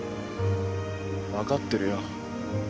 分かってるよ。